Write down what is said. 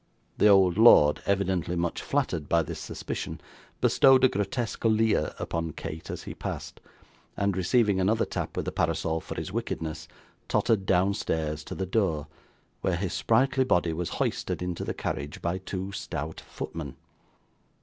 The old lord, evidently much flattered by this suspicion, bestowed a grotesque leer upon Kate as he passed; and, receiving another tap with the parasol for his wickedness, tottered downstairs to the door, where his sprightly body was hoisted into the carriage by two stout footmen.